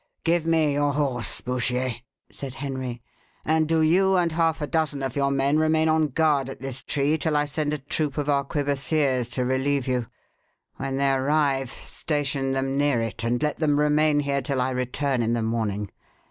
"Give me your horse, Bouchier," said Henry, "and do you and half a dozen of your men remain on guard at this tree till I send a troop of arquebusiers to relieve you. When they arrive, station them near it, and let them remain here till I return in the morning.